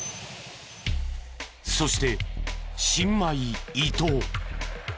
そして新米伊東。